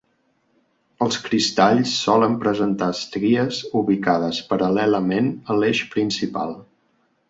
Els cristalls solen presentar estries ubicades paral·lelament a l'eix principal.